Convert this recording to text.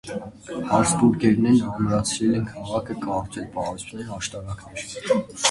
Հաբսբուրգներն ամրացրել են քաղաքը, կառուցել պարիսպներ, աշտարակներ։